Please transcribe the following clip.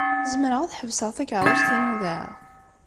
Zemreɣ ad ḥebseɣ takeṛṛust-inu da?